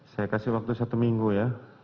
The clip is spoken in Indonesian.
saya kasih waktu satu minggu ya